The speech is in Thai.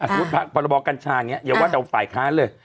สมมุติพรบกัญชาอย่าว่าจะเอาฝ่ายค้านเลย